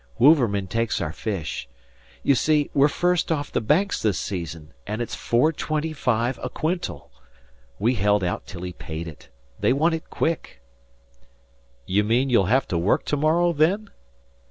Wouverman takes our fish. You see, we're the first off the Banks this season, and it's four twenty five a quintal. We held out till he paid it. They want it quick." "You mean you'll have to work to morrow, then?"